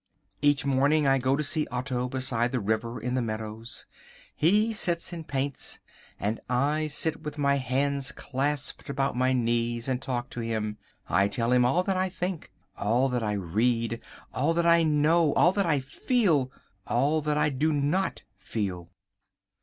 Each morning I go to see Otto beside the river in the meadow. He sits and paints, and I sit with my hands clasped about my knees and talk to him. I tell him all that I think, all that I read, all that I know, all that I feel, all that I do not feel.